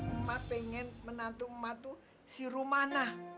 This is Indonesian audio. emak pengen menantu emak tuh si rumana